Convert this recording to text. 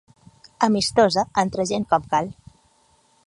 Amistosa, entre gent com cal.